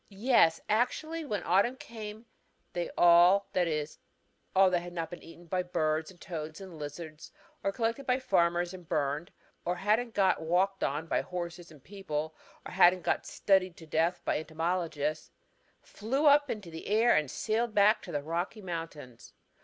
Yes, actually, when autumn came they all that is, all that hadn't been eaten by birds and toads and lizards, or collected by farmers and burned, or hadn't got walked on by horses and people, or hadn't got studied to death by entomologists flew up into the air and sailed back to the Rocky Mountains.